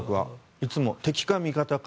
いつも、敵か味方か